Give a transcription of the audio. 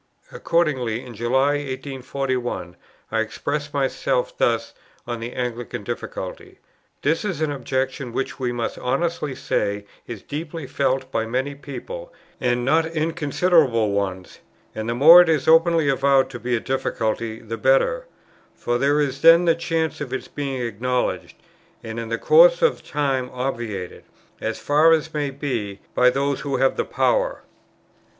Accordingly, in July 1841, I expressed myself thus on the Anglican difficulty: "This is an objection which we must honestly say is deeply felt by many people, and not inconsiderable ones; and the more it is openly avowed to be a difficulty, the better; for there is then the chance of its being acknowledged, and in the course of time obviated, as far as may be, by those who have the power.